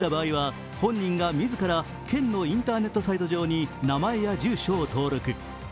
陽性が判明した場合は本人が自ら県のインターネットサイト上に名前や住所を登録。